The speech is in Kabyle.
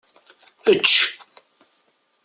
Ečč!